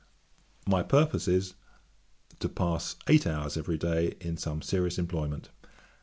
'My purpose is, 'To pass eight hours every day in some serious employment.